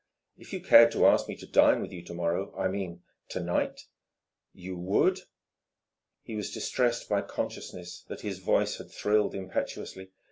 "If you cared to ask me to dine with you to morrow I mean, to night " "You would ?" He was distressed by consciousness that his voice had thrilled impetuously.